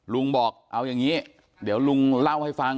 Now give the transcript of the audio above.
ลุงบอกเอาอย่างนี้เดี๋ยวลุงเล่าให้ฟัง